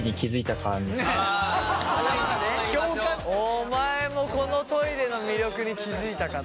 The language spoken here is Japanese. お前もこのトイレの魅力に気付いたかと。